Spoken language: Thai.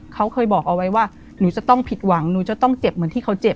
เขาเคยบอกเอาไว้ว่าหนูจะต้องผิดหวังหนูจะต้องเจ็บเหมือนที่เขาเจ็บ